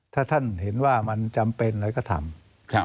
ถ้าท่านเห็นว่ามันจำเป็นอะไรก็ทำ